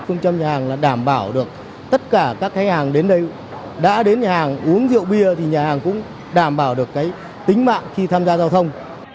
phương châm nhà hàng là đảm bảo được tất cả các khách hàng đến đây đã đến nhà hàng uống rượu bia thì nhà hàng cũng đảm bảo được cái tính mạng khi tham gia giao thông